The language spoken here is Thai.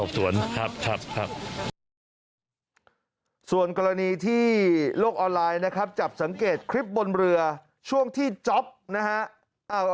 ส่วนกรณีที่โลกออนไลน์นะครับจับสังเกตคลิปบนเรือช่วงที่จ๊อปนะฮะ